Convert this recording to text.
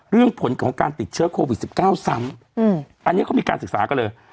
เรื่องผลของการติดเชื้อโควิดสิบเก้าซ้ำอืมอันนี้เขามีการศึกษาก็เลย